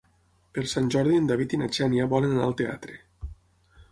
Per Sant Jordi en David i na Xènia volen anar al teatre.